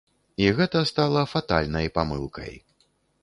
І гэта стала фатальнай памылкай.